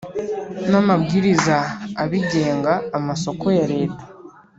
n amabwiriza abigenga amasoko ya Leta